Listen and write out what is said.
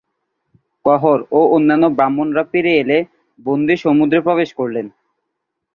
কহোড় ও অন্যান্য ব্রাহ্মণরা ফিরে এলে বন্দী সমুদ্রে প্রবেশ করলেন।